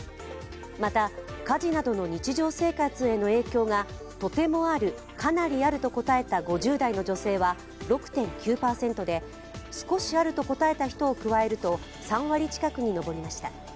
また家事などの日常生活への影響が、とてもある、かなりあると答えた５０代の女性は６．９％で少しあると答えた人を加えると３割近くに上りました。